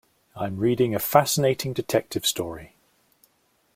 I'm reading a fascinating detective story.